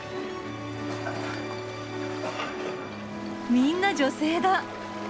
みんな女性だ。